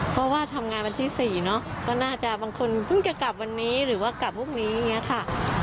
เพราะว่าทำงานวันที่๔เนอะก็น่าจะบางคนเพิ่งจะกลับวันนี้หรือว่ากลับพรุ่งนี้อย่างนี้ค่ะ